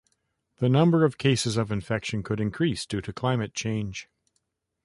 The number of cases of infection could increase due to climate change.